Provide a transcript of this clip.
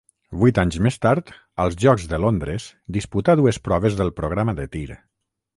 Vuit anys més tard, als Jocs de Londres, disputà dues proves del programa de tir.